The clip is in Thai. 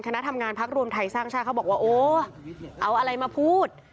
คณะทำงานพักรวมไทยสร้างชาติเขาบอกว่าโอ้เอาอะไรมาพูด